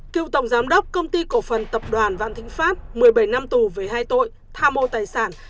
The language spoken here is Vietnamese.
cựu tổng giám đốc công ty cổ phần tập đoàn vạn thịnh pháp một mươi bảy năm tù về hai tội tham mô tài sản